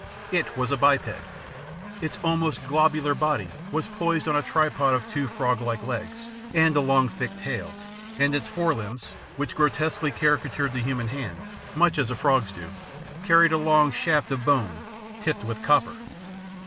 It was a biped ; its almost globular body was poised on a tripod of two frog like legs and a long thick tail, and its fore limbs, which grotesquely caricatured the 86 THE PLATTNER STORY AND OTHERS human hand, much as a frog's do, carried a long shaft of bone, tipped with copper.